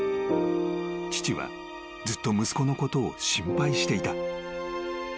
［父はずっと息子のことを心配していた］